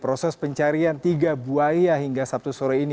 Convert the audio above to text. proses pencarian tiga buaya hingga sabtu sore ini